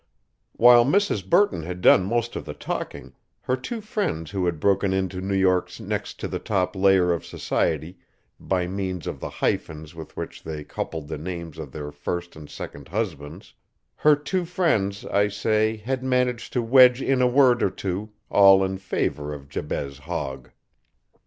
While Mrs. Burton had done most of the talking, her two friends who had broken into New York's next to the top layer of society by means of the hyphens with which they coupled the names of their first and second husbands; her two friends, I say, had managed to wedge in a word or two all in favor of Jabez Hogg.